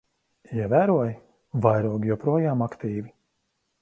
Ievēroji? Vairogi joprojām aktīvi.